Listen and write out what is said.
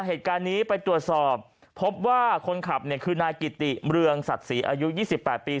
เหตุการณ์นี้ไปตรวจสอบพบว่าคนขับเนี่ยคือนายกิติเมืองศักดิ์ศรีอายุ๒๘ปี